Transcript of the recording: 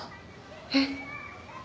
えっ？